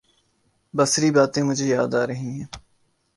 بسری باتیں مجھے یاد آ رہی ہیں۔